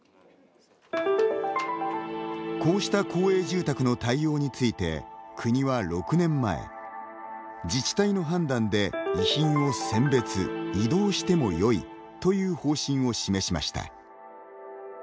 こうした公営住宅の対応について国は６年前、自治体の判断で遺品を選別・移動してもよいという方針を示しました。